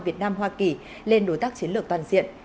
việt nam hoa kỳ lên đối tác chiến lược toàn diện